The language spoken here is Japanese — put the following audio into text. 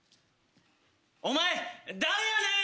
お前誰やねん！